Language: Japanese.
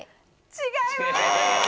違います。